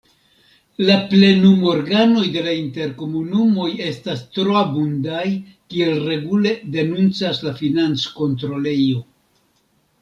La plenumorganoj de la interkomunumoj estas troabundaj, kiel regule denuncas la financkontrolejo.